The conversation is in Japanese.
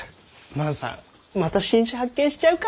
万さんまた新種発見しちゃうか？